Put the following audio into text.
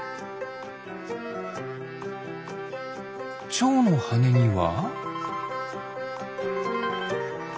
チョウのはねには？